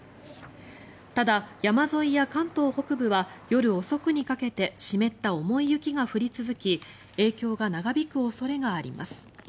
ただ、山沿いや関東北部は夜遅くにかけて湿った重い雪が降り続き影響が長引く恐れがあります。